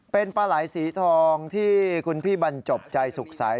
เป็นปลาไหล่สีทองที่คุณพี่บรรจบใจสุขใส